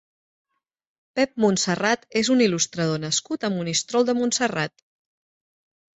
Pep Montserrat és un il·lustrador nascut a Monistrol de Montserrat.